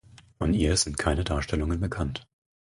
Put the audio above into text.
Von ihr sind keine Darstellungen bekannt.